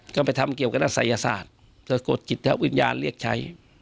ก็ไปทำเกี่ยวกับศัยศาสตร์สะกดจิตวิญญาณเรียกใช้